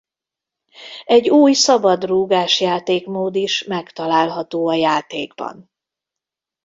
Egy új szabadrúgás játékmód is megtalálható a játékban.